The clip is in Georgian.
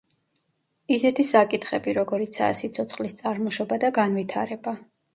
ისეთი საკითხები, როგორიცაა სიცოცხლის წარმოშობა და განვითარება.